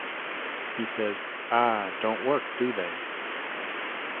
He says, Ahh, don't work, do they?